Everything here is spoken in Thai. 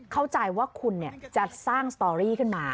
เข้าใจว่าคุณจะสร้างสตอรี่ขึ้นมา